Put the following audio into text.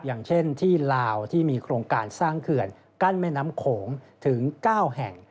อย่างเช่นที่ลาวที่มีโครงการสร้างเขื่อนกั้นแม่น้ำโขงถึง๙แห่ง